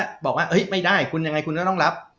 บอกว่าไม่ได้คุณยังไงคุณก็ต้องรับ